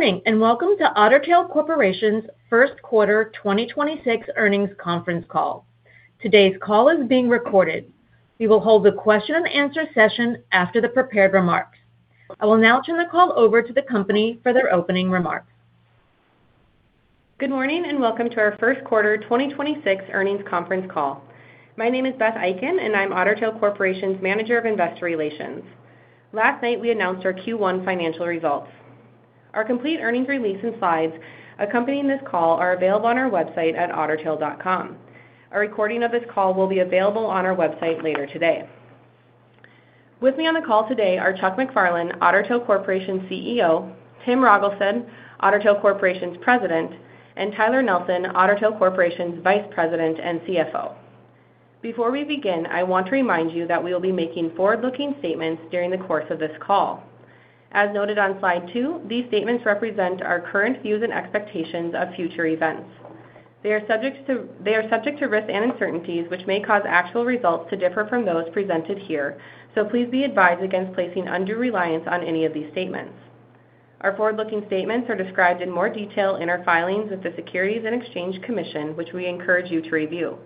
Good morning, and welcome to Otter Tail Corporation's First Quarter 2026 Earnings Conference Call. Today's call is being recorded. We will hold a question and answer session after the prepared remarks. I will now turn the call over to the company for their opening remarks. Good morning, and welcome to our first quarter 2026 earnings conference call. My name is Beth Eiken, and I'm Otter Tail Corporation's Manager of Investor Relations. Last night, we announced our Q1 financial results. Our complete earnings release and slides accompanying this call are available on our website at ottertail.com. A recording of this call will be available on our website later today. With me on the call today are Chuck MacFarlane, Otter Tail Corporation's CEO, Tim Rogelstad, Otter Tail Corporation's President, and Tyler Nelson, Otter Tail Corporation's Vice President and CFO. Before we begin, I want to remind you that we will be making forward-looking statements during the course of this call. As noted on slide two, these statements represent our current views and expectations of future events. They are subject to risks and uncertainties, which may cause actual results to differ from those presented here. Please be advised against placing undue reliance on any of these statements. Our forward-looking statements are described in more detail in our filings with the Securities and Exchange Commission, which we encourage you to review.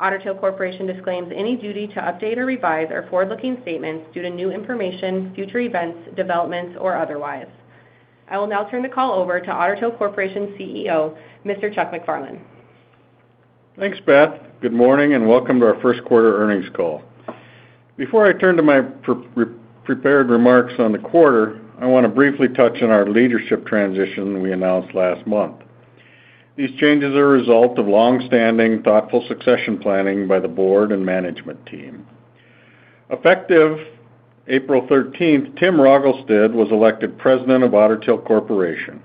Otter Tail Corporation disclaims any duty to update or revise our forward-looking statements due to new information, future events, developments, or otherwise. I will now turn the call over to Otter Tail Corporation's CEO, Mr. Chuck MacFarlane. Thanks, Beth. Good morning, welcome to our first quarter earnings call. Before I turn to my prepared remarks on the quarter, I want to briefly touch on our leadership transition we announced last month. These changes are a result of long-standing, thoughtful succession planning by the board and management team. Effective April 13th, Tim Rogelstad was elected President of Otter Tail Corporation.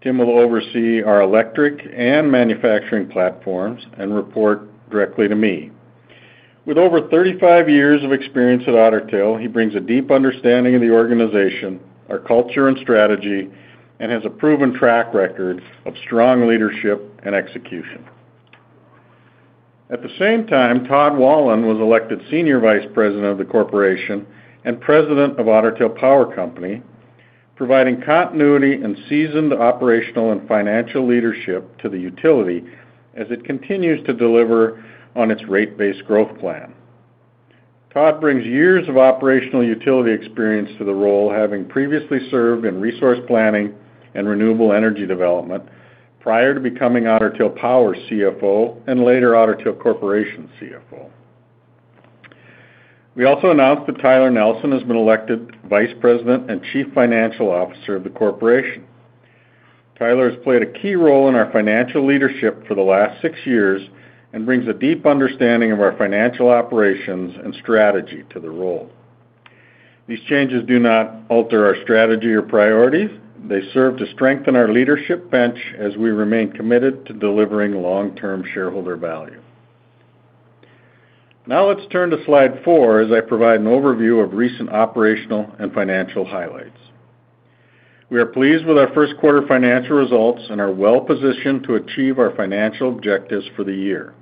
Tim will oversee our electric and manufacturing platforms and report directly to me. With over 35 years of experience at Otter Tail, he brings a deep understanding of the organization, our culture and strategy, and has a proven track record of strong leadership and execution. At the same time, Todd Wahlund was elected Senior Vice President of the corporation and President of Otter Tail Power Company, providing continuity and seasoned operational and financial leadership to the utility as it continues to deliver on its rate-based growth plan. Todd Wahlund brings years of operational utility experience to the role, having previously served in resource planning and renewable energy development prior to becoming Otter Tail Power CFO and later Otter Tail Corporation CFO. We also announced that Tyler Nelson has been elected Vice President and Chief Financial Officer of the Corporation. Tyler has played a key role in our financial leadership for the last 6 years and brings a deep understanding of our financial operations and strategy to the role. These changes do not alter our strategy or priorities. They serve to strengthen our leadership bench as we remain committed to delivering long-term shareholder value. Now let's turn to slide four as I provide an overview of recent operational and financial highlights. We are pleased with our first quarter financial results and are well-positioned to achieve our financial objectives for the year.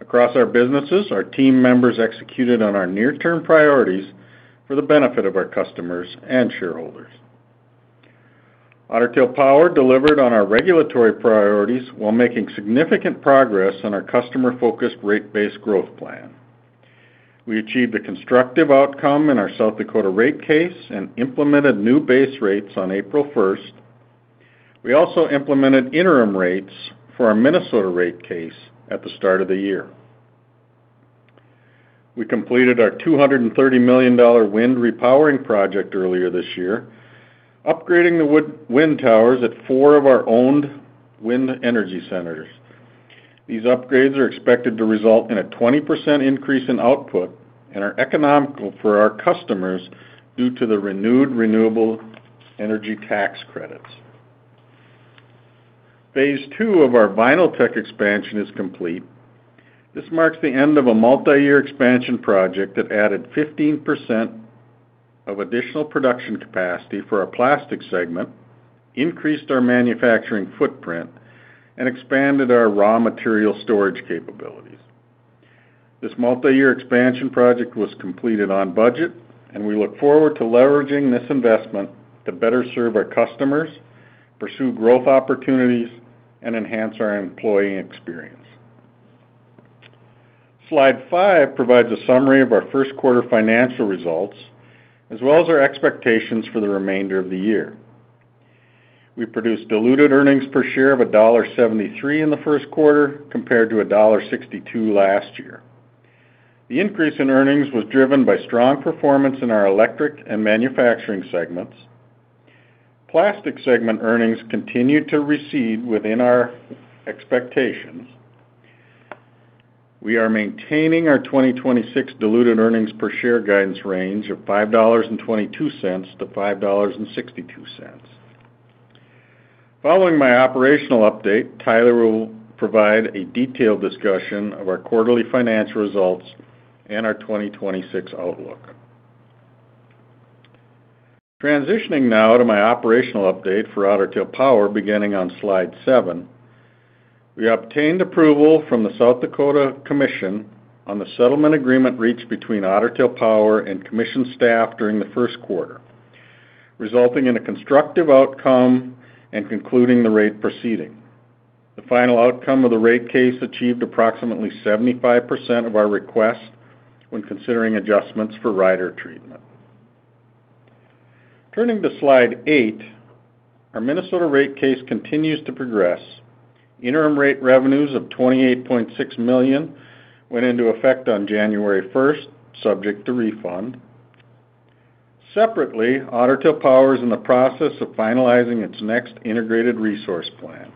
Across our businesses, our team members executed on our near-term priorities for the benefit of our customers and shareholders. Otter Tail Power delivered on our regulatory priorities while making significant progress on our customer-focused rate-based growth plan. We achieved a constructive outcome in our South Dakota rate case and implemented new base rates on April 1st. We also implemented interim rates for our Minnesota rate case at the start of the year. We completed our $230 million wind repowering project earlier this year, upgrading the wind towers at four of our owned wind energy centers. These upgrades are expected to result in a 20% increase in output and are economical for our customers due to the renewed renewable energy tax credits. Phase 2 of our Vinyltech expansion is complete. This marks the end of a multi-year expansion project that added 15% of additional production capacity for our Plastic segment, increased our manufacturing footprint, and expanded our raw material storage capabilities. This multi-year expansion project was completed on budget, and we look forward to leveraging this investment to better serve our customers, pursue growth opportunities, and enhance our employee experience. Slide five provides a summary of our first quarter financial results, as well as our expectations for the remainder of the year. We produced diluted earnings per share of $1.73 in the first quarter, compared to $1.62 last year. The increase in earnings was driven by strong performance in our Electric and Manufacturing segments. Plastic segment earnings continued to recede within our expectations. We are maintaining our 2026 diluted earnings per share guidance range of $5.22-$5.62. Following my operational update, Tyler will provide a detailed discussion of our quarterly financial results and our 2026 outlook. Transitioning now to my operational update for Otter Tail Power, beginning on slide seven. We obtained approval from the South Dakota Commission on the settlement agreement reached between Otter Tail Power and Commission staff during the first quarter, resulting in a constructive outcome and concluding the rate proceeding. The final outcome of the rate case achieved approximately 75% of our request when considering adjustments for rider treatment. Turning to slide eight, our Minnesota rate case continues to progress. Interim rate revenues of $28.6 million went into effect on January 1st, subject to refund. Separately, Otter Tail Power is in the process of finalizing its next integrated resource plan.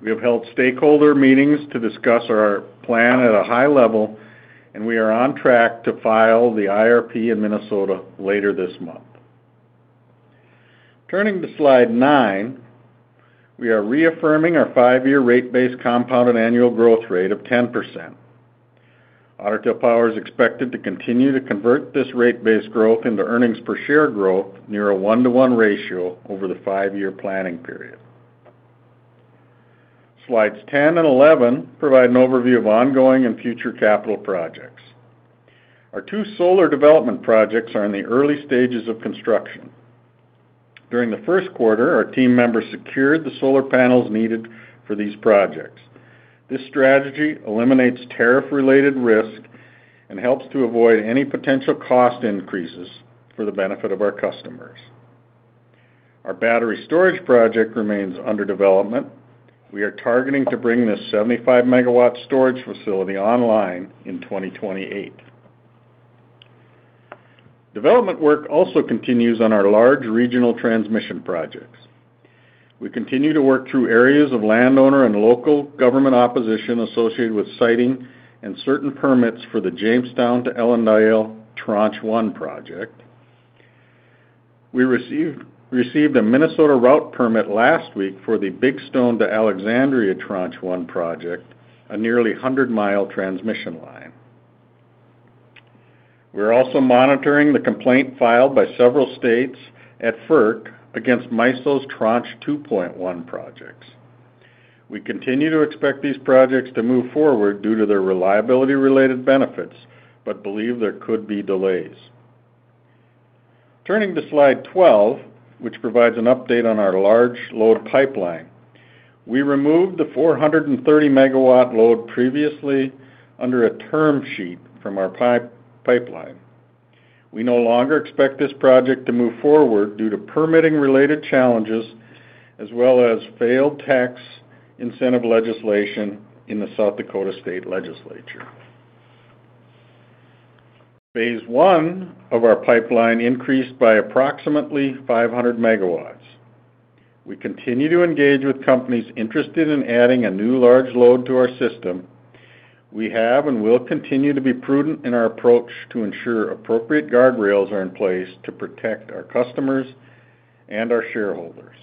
We have held stakeholder meetings to discuss our plan at a high level. We are on track to file the IRP in Minnesota later this month. Turning to slide nine, we are reaffirming our five-year rate base compounded annual growth rate of 10%. Otter Tail Power is expected to continue to convert this rate base growth into earnings per share growth near a one-to-one ratio over the five-year planning period. Slides 10 and 11 provide an overview of ongoing and future capital projects. Our two solar development projects are in the early stages of construction. During the first quarter, our team members secured the solar panels needed for these projects. This strategy eliminates tariff-related risk and helps to avoid any potential cost increases for the benefit of our customers. Our battery storage project remains under development. We are targeting to bring this 75 MW storage facility online in 2028. Development work also continues on our large regional transmission projects. We continue to work through areas of landowner and local government opposition associated with siting and certain permits for the Jamestown to Ellendale Tranche 1 project. We received a Minnesota route permit last week for the Big Stone to Alexandria Tranche 1 project, a nearly 100-mile transmission line. We're also monitoring the complaint filed by several states at FERC against MISO's Tranche 2.1 projects. We continue to expect these projects to move forward due to their reliability-related benefits but believe there could be delays. Turning to slide 12, which provides an update on our large load pipeline, we removed the 430 MW load previously under a term sheet from our pipeline. We no longer expect this project to move forward due to permitting-related challenges as well as failed tax incentive legislation in the South Dakota Legislature. Phase 1 of our pipeline increased by approximately 500 MW. We continue to engage with companies interested in adding a new large load to our system. We have and will continue to be prudent in our approach to ensure appropriate guardrails are in place to protect our customers and our shareholders.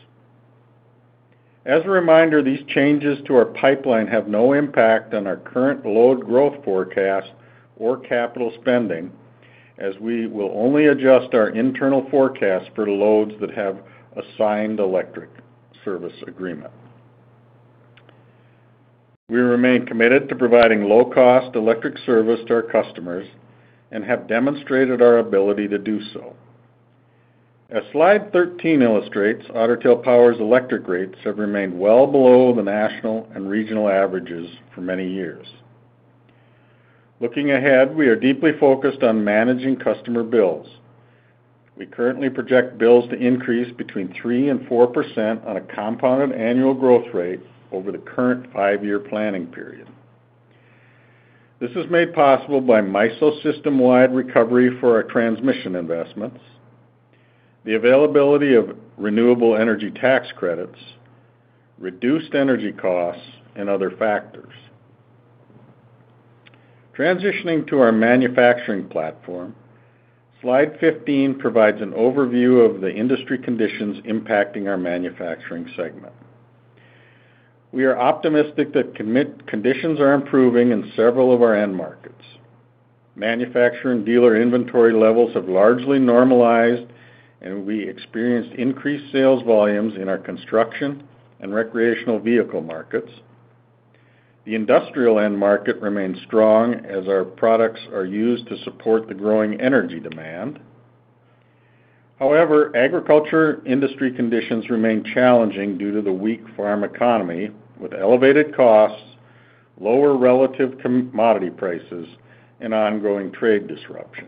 As a reminder, these changes to our pipeline have no impact on our current load growth forecast or capital spending, as we will only adjust our internal forecast for loads that have a signed electric service agreement. We remain committed to providing low-cost electric service to our customers and have demonstrated our ability to do so. As slide 13 illustrates, Otter Tail Power's electric rates have remained well below the national and regional averages for many years. Looking ahead, we are deeply focused on managing customer bills. We currently project bills to increase between 3% and 4% on a compounded annual growth rate over the current 5-year planning period. This is made possible by MISO system-wide recovery for our transmission investments, the availability of renewable energy tax credits, reduced energy costs, and other factors. Transitioning to our manufacturing platform, slide 15 provides an overview of the industry conditions impacting our manufacturing segment. We are optimistic that conditions are improving in several of our end markets. Manufacturing dealer inventory levels have largely normalized. We experienced increased sales volumes in the construction and recreational vehicle markets. The industrial end market remains strong as our products are used to support the growing energy demand. However, agriculture industry conditions remain challenging due to the weak farm economy, with elevated costs, lower relative commodity prices, and ongoing trade disruption.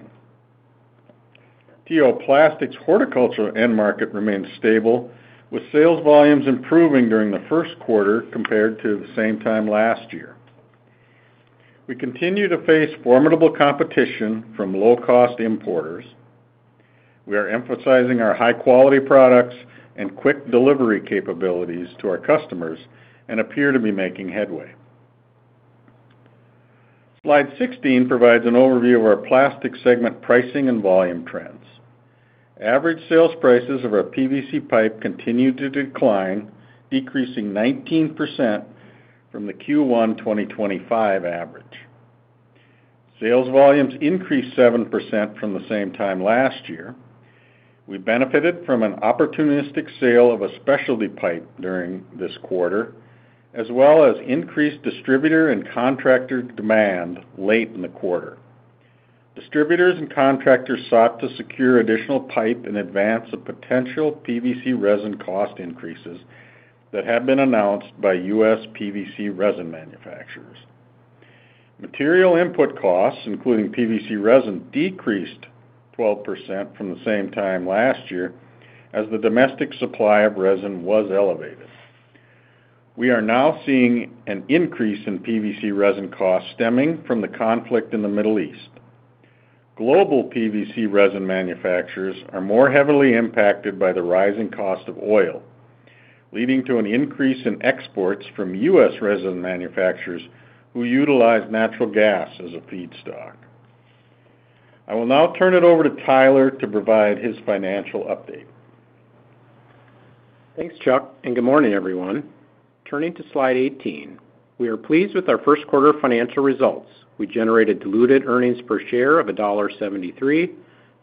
T.O. Plastics horticultural end market remains stable, with sales volumes improving during the first quarter compared to the same time last year. We continue to face formidable competition from low-cost importers. We are emphasizing our high-quality products and quick delivery capabilities to our customers and appear to be making headway. Slide 16 provides an overview of our Plastics segment pricing and volume trends. Average sales prices of our PVC pipe continued to decline, decreasing 19% from the Q1 2025 average. Sales volumes increased 7% from the same time last year. We benefited from an opportunistic sale of a specialty pipe during this quarter, as well as increased distributor and contractor demand late in the quarter. Distributors and contractors sought to secure additional pipe in advance of potential PVC resin cost increases that have been announced by U.S. PVC resin manufacturers. Material input costs, including PVC resin, decreased 12% from the same time last year as the domestic supply of resin was elevated. We are now seeing an increase in PVC resin costs stemming from the conflict in the Middle East. Global PVC resin manufacturers are more heavily impacted by the rising cost of oil, leading to an increase in exports from U.S. resin manufacturers who utilize natural gas as a feedstock. I will now turn it over to Tyler to provide his financial update. Thanks, Chuck. Good morning, everyone. Turning to slide 18. We are pleased with our first quarter financial results. We generated diluted earnings per share of $1.73,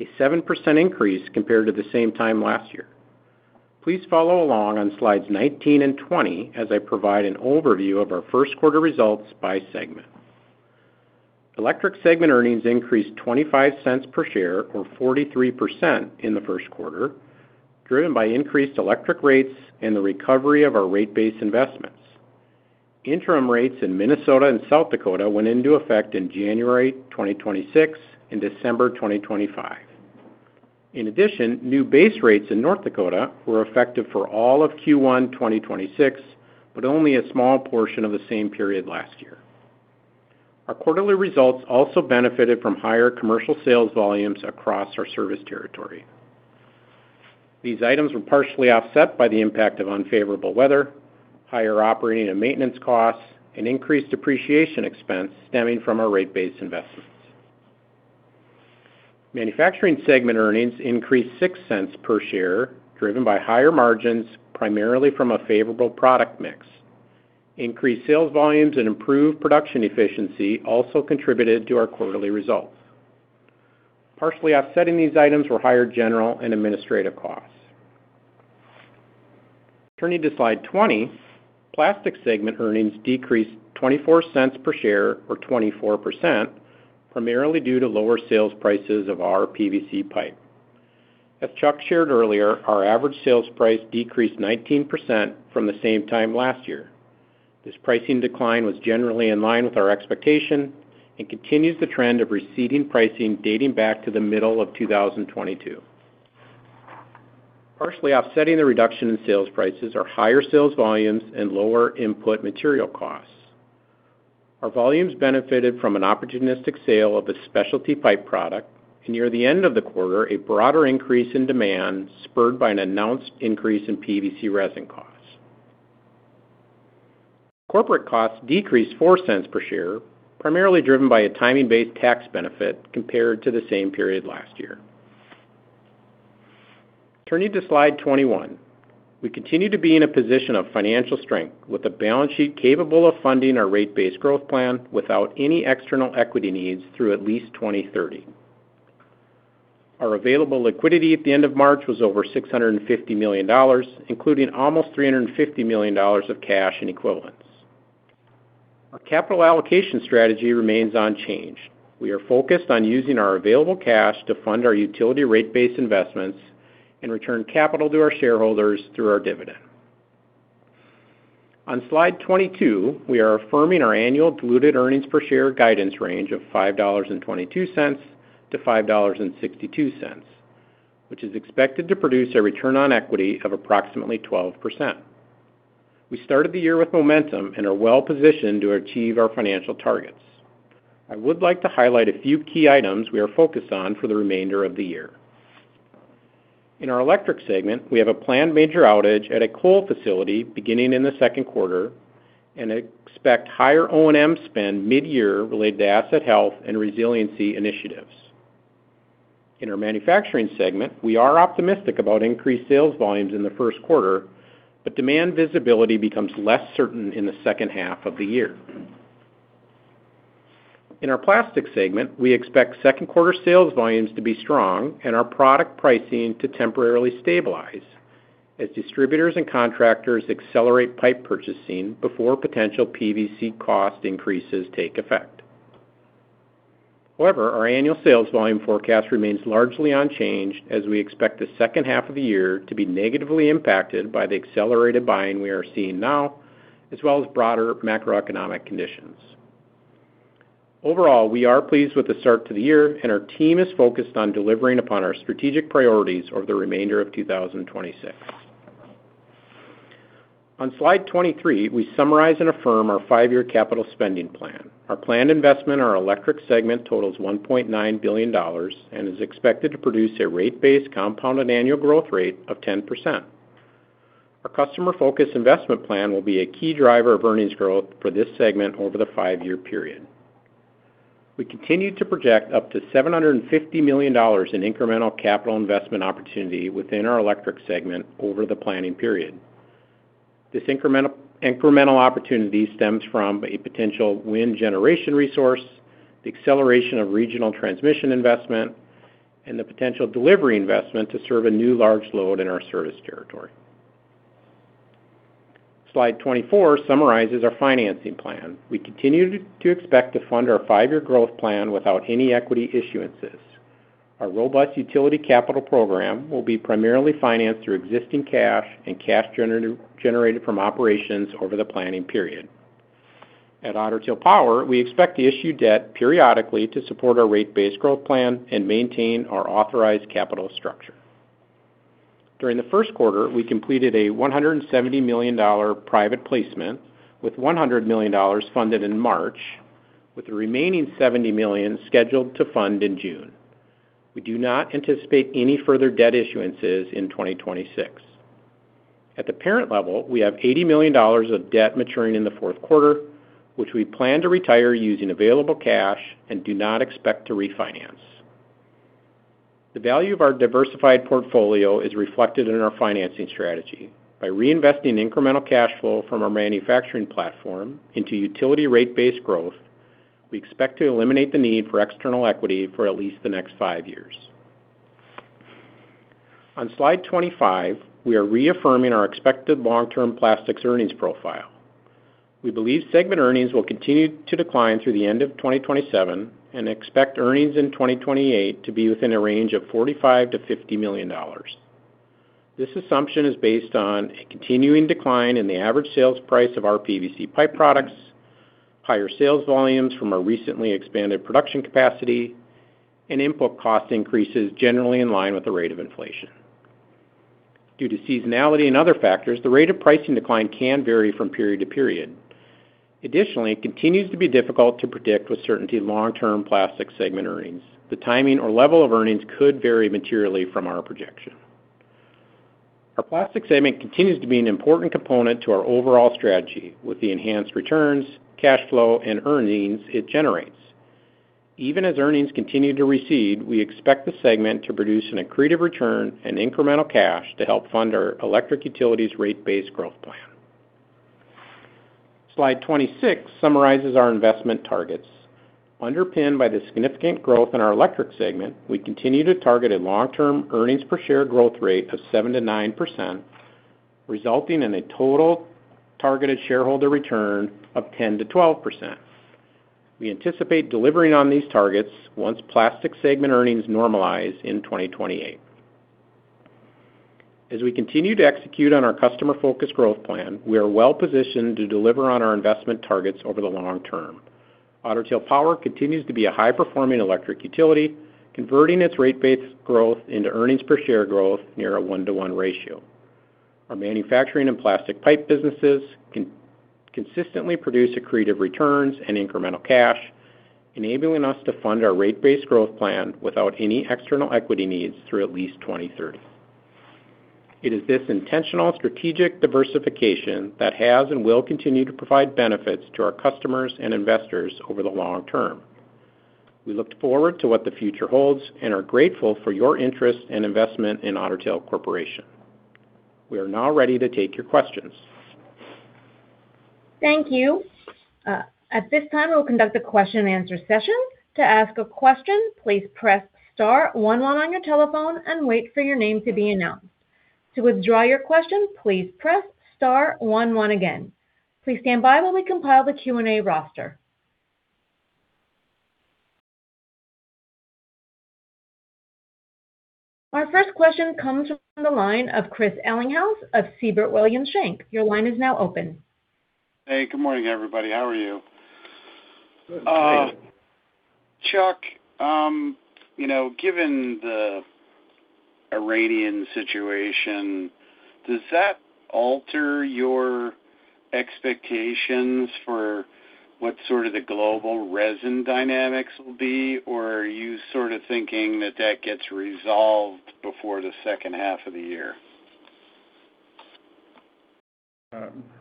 a 7% increase compared to the same time last year. Please follow along on slides 19 and 20 as I provide an overview of our first quarter results by segment. Electric segment earnings increased $0.25 per share or 43% in the first quarter, driven by increased electric rates and the recovery of our rate-based investments. Interim rates in Minnesota and South Dakota went into effect in January 2026 and December 2025. In addition, new base rates in North Dakota were effective for all of Q1 2026, but only a small portion of the same period last year. Our quarterly results also benefited from higher commercial sales volumes across our service territory. These items were partially offset by the impact of unfavorable weather, higher operating and maintenance costs, and increased depreciation expense stemming from our rate-based investments. Manufacturing Segment earnings increased $0.06 per share, driven by higher margins, primarily from a favorable product mix. Increased sales volumes and improved production efficiency also contributed to our quarterly results. Partially offsetting these items were higher general and administrative costs. Turning to slide 20, Plastic Segment earnings decreased $0.24 per share or 24%, primarily due to lower sales prices of our PVC pipe. As Chuck shared earlier, our average sales price decreased 19% from the same time last year. This pricing decline was generally in line with our expectation and continues the trend of receding pricing dating back to the middle of 2022. Partially offsetting the reduction in sales prices are higher sales volumes and lower input material costs. Our volumes benefited from an opportunistic sale of a specialty pipe product, and near the end of the quarter, a broader increase in demand spurred by an announced increase in PVC resin costs. Corporate costs decreased $0.04 per share, primarily driven by a timing-based tax benefit compared to the same period last year. Turning to slide 21. We continue to be in a position of financial strength with a balance sheet capable of funding our rate-based growth plan without any external equity needs through at least 2030. Our available liquidity at the end of March was over $650 million, including almost $350 million of cash and equivalents. Our capital allocation strategy remains unchanged. We are focused on using our available cash to fund our utility rate-based investments and return capital to our shareholders through our dividend. On slide 22, we are affirming our annual diluted earnings per share guidance range of $5.22-$5.62, which is expected to produce a return on equity of approximately 12%. We started the year with momentum and are well-positioned to achieve our financial targets. I would like to highlight a few key items we are focused on for the remainder of the year. In our electric segment, we have a planned major outage at a coal facility beginning in the second quarter and expect higher O&M spend mid-year related to asset health and resiliency initiatives. In our Manufacturing segment, we are optimistic about increased sales volumes in the 1st quarter, but demand visibility becomes less certain in the second half of the year. In our plastic segment, we expect second quarter sales volumes to be strong and our product pricing to temporarily stabilize as distributors and contractors accelerate pipe purchasing before potential PVC cost increases take effect. However, our annual sales volume forecast remains largely unchanged as we expect the second half of the year to be negatively impacted by the accelerated buying we are seeing now, as well as broader macroeconomic conditions. Overall, we are pleased with the start to the year and our team is focused on delivering upon our strategic priorities over the remainder of 2026. On slide 23, we summarize and affirm our 5-year capital spending plan. Our planned investment in our electric segment totals $1.9 billion and is expected to produce a rate-based compounded annual growth rate of 10%. Our customer-focused investment plan will be a key driver of earnings growth for this segment over the five-year period. We continue to project up to $750 million in incremental capital investment opportunity within our Electric segment over the planning period. This incremental opportunity stems from a potential wind generation resource, the acceleration of regional transmission investment, and the potential delivery investment to serve a new large load in our service territory. Slide 24 summarizes our financing plan. We continue to expect to fund our five-year growth plan without any equity issuances. Our robust utility capital program will be primarily financed through existing cash and cash generated from operations over the planning period. At Otter Tail Power, we expect to issue debt periodically to support our rate base growth plan and maintain our authorized capital structure. During the first quarter, we completed a $170 million private placement, with $100 million funded in March, with the remaining $70 million scheduled to fund in June. We do not anticipate any further debt issuances in 2026. At the parent level, we have $80 million of debt maturing in the fourth quarter, which we plan to retire using available cash and do not expect to refinance. The value of our diversified portfolio is reflected in our financing strategy. By reinvesting incremental cash flow from our manufacturing platform into utility rate base growth, we expect to eliminate the need for external equity for at least the next five years. On slide 25, we are reaffirming our expected long-term Plastics earnings profile. We believe Plastics Segment earnings will continue to decline through the end of 2027 and expect earnings in 2028 to be within a range of $45 million-$50 million. This assumption is based on a continuing decline in the average sales price of our PVC pipe products, higher sales volumes from our recently expanded production capacity, and input cost increases generally in line with the rate of inflation. Due to seasonality and other factors, the rate of pricing decline can vary from period to period. Additionally, it continues to be difficult to predict with certainty long-term Plastics Segment earnings. The timing or level of earnings could vary materially from our projection. Our Plastics Segment continues to be an important component to our overall strategy with the enhanced returns, cash flow, and earnings it generates. Even as earnings continue to recede, we expect the segment to produce an accretive return and incremental cash to help fund our Electric Utilities rate base growth plan. Slide 26 summarizes our investment targets. Underpinned by the significant growth in our Electric segment, we continue to target a long-term earnings per share growth rate of 7%-9%, resulting in a total targeted shareholder return of 10%-12%. We anticipate delivering on these targets once Plastics segment earnings normalize in 2028. As we continue to execute on our customer-focused growth plan, we are well-positioned to deliver on our investment targets over the long term. Otter Tail Power continues to be a high-performing electric utility, converting its rate base growth into earnings per share growth near a 1-to-1 ratio. Our manufacturing and plastic pipe businesses consistently produce accretive returns and incremental cash, enabling us to fund our rate base growth plan without any external equity needs through at least 2030. It is this intentional strategic diversification that has and will continue to provide benefits to our customers and investors over the long term. We look forward to what the future holds and are grateful for your interest and investment in Otter Tail Corporation. We are now ready to take your questions. Thank you. At this time, we will conduct a question and answer session. To ask a question, please press star one one on your telephone and wait for your name to be announced. To withdraw your question, please press star one one again. Please stand by while we compile the Q&A roster. Our first question comes from the line of Chris Ellinghaus of Siebert Williams Shank. Your line is now open. Hey, good morning, everybody. How are you? Good. How are you? Chuck, you know, given the Iranian situation, does that alter your expectations for what sort of the global resin dynamics will be? Or are you sort of thinking that that gets resolved before the second half of the year?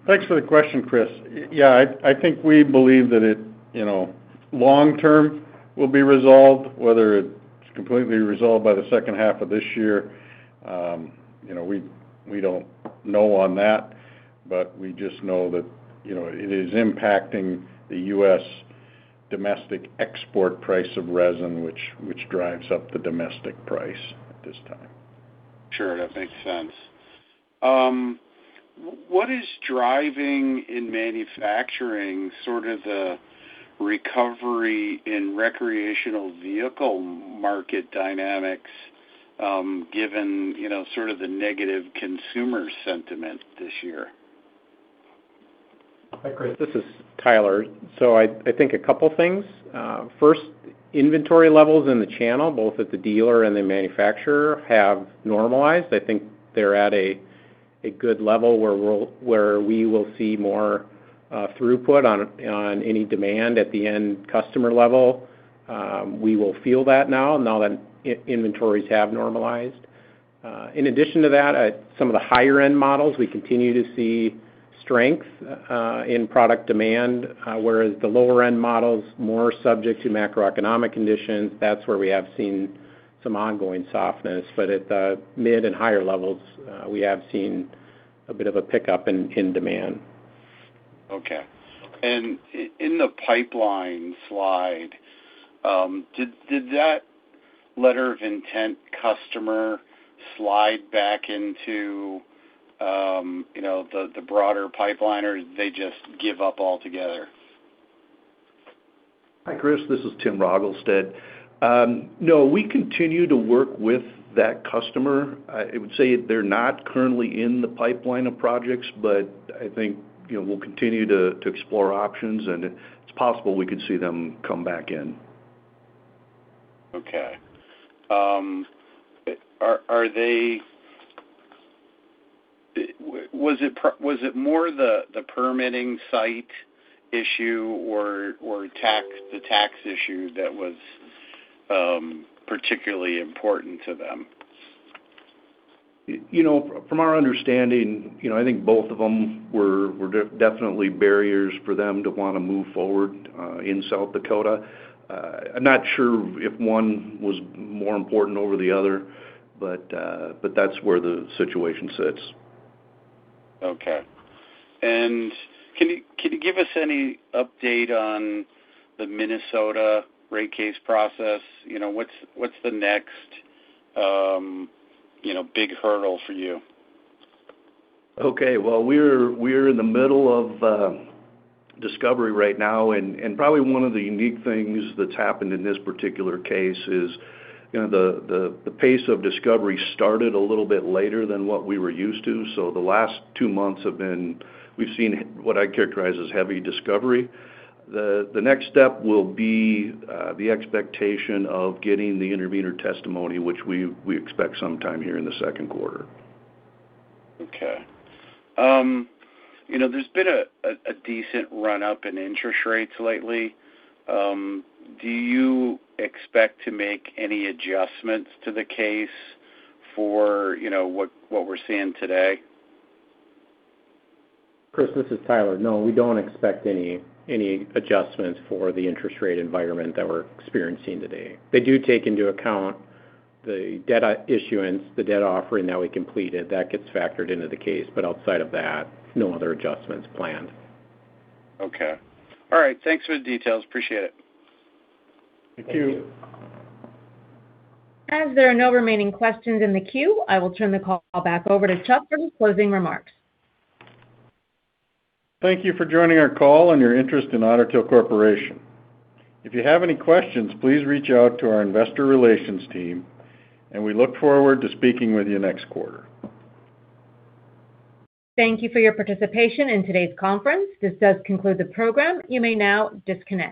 Thanks for the question, Chris. Yeah, I think we believe that it, you know, long term will be resolved. Whether it's completely resolved by the second half of this year, you know, we don't know on that. We just know that, you know, it is impacting the U.S. domestic export price of resin, which drives up the domestic price at this time. Sure, that makes sense. What is driving in manufacturing sort of the recovery in recreational vehicle market dynamics, given, you know, sort of the negative consumer sentiment this year? Hi, Chris. This is Tyler. I think a couple things. First, inventory levels in the channel, both at the dealer and the manufacturer, have normalized. I think they're at a good level where we will see more throughput on any demand at the end customer level. We will feel that now that inventories have normalized. In addition to that, at some of the higher-end models, we continue to see strength in product demand, whereas the lower-end models, more subject to macroeconomic conditions. That's where we have seen some ongoing softness. At the mid and higher levels, we have seen a bit of a pickup in demand. Okay. In the pipeline slide, did that letter of intent customer slide back into, you know, the broader pipeline, or did they just give up altogether? Hi, Chris. This is Tim Rogelstad. No, we continue to work with that customer. I would say they're not currently in the pipeline of projects, but I think, you know, we'll continue to explore options, and it's possible we could see them come back in. Okay. Was it more the permitting site issue or the tax issue that was particularly important to them? You know, from our understanding, you know, I think both of them were definitely barriers for them to wanna move forward in South Dakota. I'm not sure if one was more important over the other, but that's where the situation sits. Okay. Can you give us any update on the Minnesota rate case process? You know, what's the next, you know, big hurdle for you? Okay. Well, we're in the middle of discovery right now. Probably one of the unique things that's happened in this particular case is, you know, the pace of discovery started a little bit later than what we were used to. The last 2 months, we've seen what I'd characterize as heavy discovery. The next step will be the expectation of getting the intervener testimony, which we expect sometime here in the second quarter. Okay. you know, there's been a decent run-up in interest rates lately. Do you expect to make any adjustments to the case for, you know, what we're seeing today? Chris, this is Tyler. No, we don't expect any adjustments for the interest rate environment that we're experiencing today. They do take into account the data issuance, the data offering that we completed. That gets factored into the case. Outside of that, no other adjustments planned. Okay. All right, thanks for the details. Appreciate it. Thank you. Thank you. As there are no remaining questions in the queue, I will turn the call back over to Chuck for his closing remarks. Thank you for joining our call and your interest in Otter Tail Corporation. If you have any questions, please reach out to our investor relations team. We look forward to speaking with you next quarter. Thank you for your participation in today's conference. This does conclude the program. You may now disconnect.